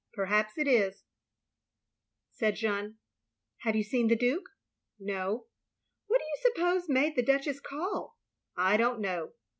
" Perhaps it is, " said Jeanne. " Have you seen the Duke? " "No." "What do you suppose made the Duchess call?" "I don't know."